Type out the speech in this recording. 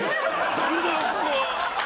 「ダメだよここは！」。